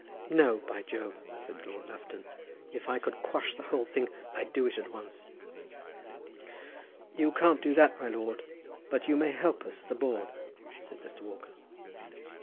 "No, by Jove," said Lord Lufton, "if I could quash the whole thing, I'd do it at once!" "You can't do that, my lord, but you may help us at the board," said Mr. Walker.